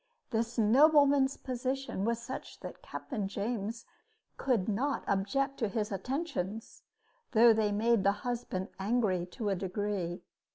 This nobleman's position was such that Captain James could not object to his attentions, though they made the husband angry to a degree.